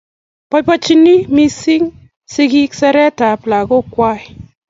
boibochini mising' sigik siretab lagokwak